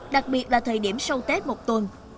đặc biệt là thời điểm sau tết một tuần